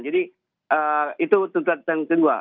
jadi itu tuntutan yang kedua